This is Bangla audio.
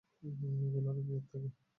এইগুলারও মেয়াদ থাকে?